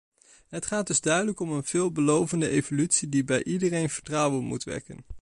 Het gaat dus duidelijk om een veelbelovende evolutie die bij iedereen vertrouwen moeten wekken.